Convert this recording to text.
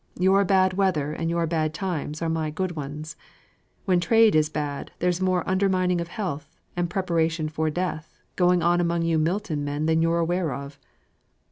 Your bad weather, and your bad times, are my good ones. When trade is bad, there's more undermining of health, and preparation for death, going on among you Milton men than you're aware of."